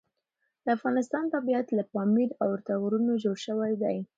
د افغانستان طبیعت له پامیر او ورته غرونو جوړ شوی دی.